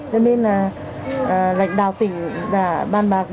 cho nên là lãnh đạo tỉnh là rất là nguy hiểm